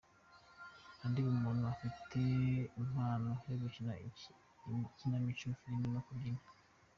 Andy Bumuntu afite n’impano yo gukina Ikinamico, filime no kubyina.